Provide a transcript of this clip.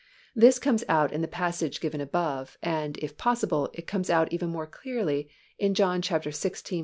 This comes out in the passage given above, and, if possible, it comes out even more clearly in John xvi.